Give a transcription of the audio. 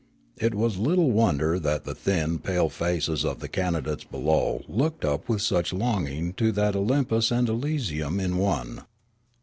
It was little wonder that the thin, pale faces of the candidates below looked up with such longing to that Olympus and Elysium in one.